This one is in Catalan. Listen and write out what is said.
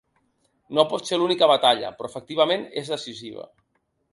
No pot ser l’única batalla, però efectivament és decisiva.